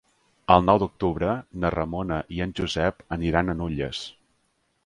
El nou d'octubre na Ramona i en Josep aniran a Nulles.